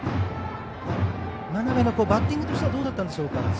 真鍋のバッティングとしてはどうだったでしょうか。